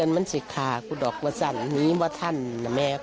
โหโมตุภาพทางนี้มันนึกถ